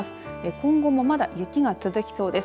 今後もまだ雪が続きそうです。